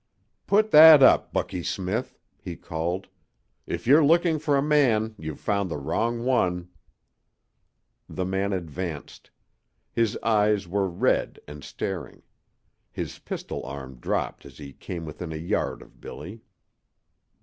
"Put that up, Bucky Smith," he called. "If you're looking for a man you've found the wrong one!" The man advanced. His eyes were red and staring. His pistol arm dropped as he came within a yard of Billy.